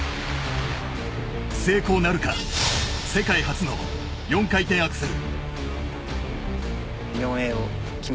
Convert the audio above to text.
成功なるか世界初の４回転アクセル。